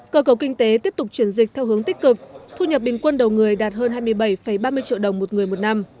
cơ cầu kinh tế tiếp tục chuyển dịch theo hướng tích cực thu nhập bình quân đầu người đạt hơn hai mươi bảy ba mươi triệu đồng một người một năm